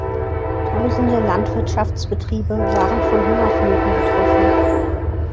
Tausende Landwirtschaftsbetriebe waren von Hungersnöten betroffen.